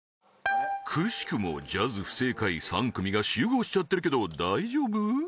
くしくもジャズ不正解３組が集合しちゃってるけど大丈夫？